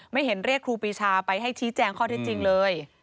ไม่เห็นเรียกครูปีชาไปให้ชี้แจงข้อเท็จจริงเลย